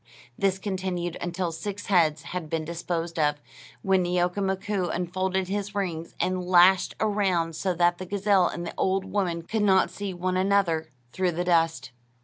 This continued until six heads had been disposed of, when Neeoka Mkoo unfolded his rings and lashed around so that the gazelle and the old woman could not see one another through the dust.